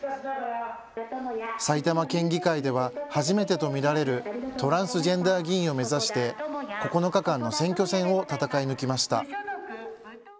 埼玉県議会では初めてと見られるトランスジェンダー議員を目指して９日間の選挙戦を戦い抜きました。